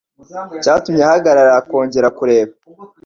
cyatumye ahagarara akongera kureba